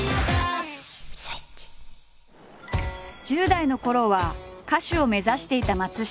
１０代のころは歌手を目指していた松下。